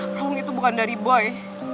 haung itu bukan dari boy